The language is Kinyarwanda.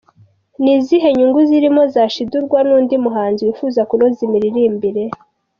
Ni izihe nyungu zirimo zashidukirwa n’undi muhanzi wifuza kunoza imiririmbire?.